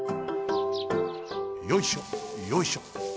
よいしょよいしょ。